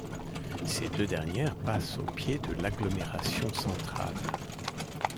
Ces deux dernières passent au pied de l’agglomération centrale.